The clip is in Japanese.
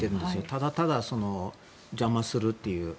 ただただ邪魔するという。